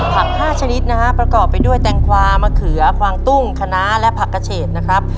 หาก๕ชนิดนะฮะประกอบไปด้วยแตงกวามะเขือควางตุ้งคณะและผักกระเฉดนะครับ